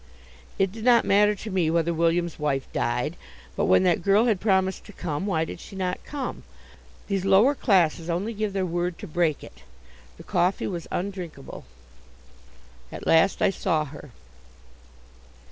It did not matter to me whether William's wife died, but when that girl had promised to come, why did she not come? These lower classes only give their word to break it. The coffee was undrinkable. At last I saw her.